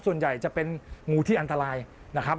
ส่วนใหญ่จะเป็นงูที่อันตรายนะครับ